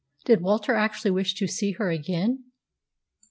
Did Walter actually wish to see her again?